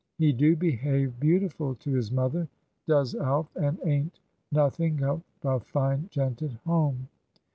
He do behave beautiful to his mother, does Alf, and ain't nothink of a fine gent at home.